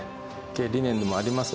経営理念でもあります